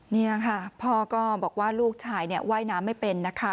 นี่ค่ะพ่อก็บอกว่าลูกชายว่ายน้ำไม่เป็นนะคะ